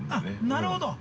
◆なるほど。